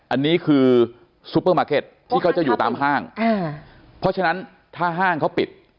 อันนี้คือซุปเปอร์มาร์เก็ตที่เขาจะอยู่ตามห้างอ่าเพราะฉะนั้นถ้าห้างเขาปิด